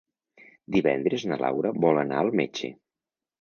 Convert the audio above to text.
Divendres na Laura vol anar al metge.